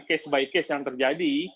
case by case yang terjadi